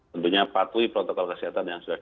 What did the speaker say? tentunya patuhi protokol kesehatan yang sudah